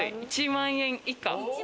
１万円以下。